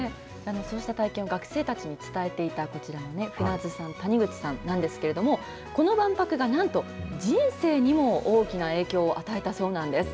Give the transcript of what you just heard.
そうした体験を学生たちに伝えていたこちらの舩津さん、谷口さんなんですけれども、この万博がなんと、人生にも大きな影響を与えたそうなんです。